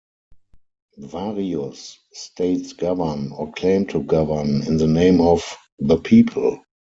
Various states govern, or claim to govern, in the name of "the people".